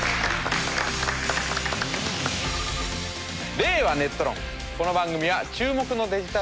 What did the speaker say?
「令和ネット論」